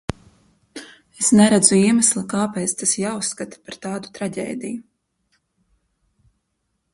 Es neredzu iemesla, kāpēc tas jāuzskata par tādu traģēdiju.